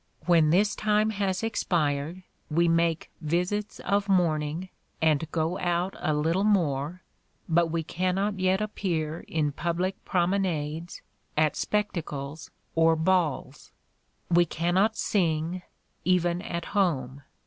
When this time has expired, we make visits of mourning, and go out a little more, but we cannot yet appear in public promenades, at spectacles or balls; we cannot sing, even at home.